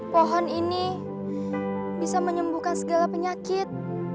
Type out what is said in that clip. pohon ini bisa menyembuhkan segala penyakit